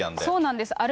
そうなんです。